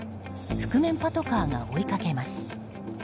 覆面パトカーが追いかけます。